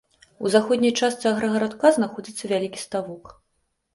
У заходняй частцы аграгарадка знаходзіцца вялікі ставок.